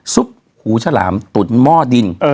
ซุปหูฉลามตุนม่อดิ่น